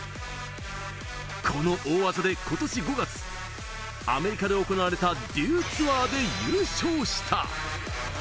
この大技で今年５月、アメリカで行われたデュー・ツアーで優勝した。